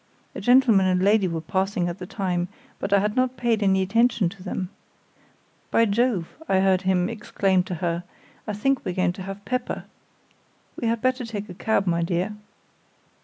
A gentleman and lady were passing at the time, but I had not paid any attention to them. 'By Jove!' I heard him exclaim to her, 'I think we're going to have pepper. We had better take a cab, my dear.